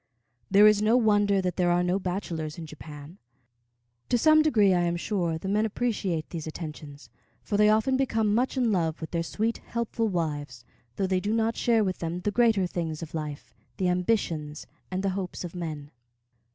There is no wonder that there are no bachelors in Japan. To some degree, I am sure, the men appreciate these attentions; for they often become much in love with their sweet, helpful wives, though they do not share with them the greater things of life, the ambitions and the hopes of men.